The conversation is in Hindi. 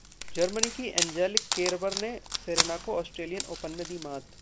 जर्मनी की एंजेलिक केरबर ने सेरेना को ऑस्ट्रेलियन ओपन में दी मात